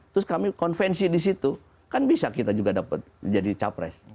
terus kami konvensi di situ kan bisa kita juga dapat jadi capres